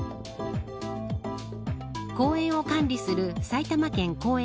公園を管理する埼玉県公園